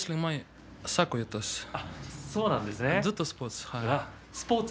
ずっとスポーツ。